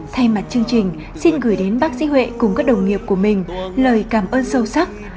thay mặt chương trình xin gửi đến bác sĩ huệ cùng các đồng nghiệp của mình lời cảm ơn sâu sắc